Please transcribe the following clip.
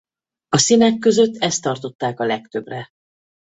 A színek között ezt tartották a legtöbbre.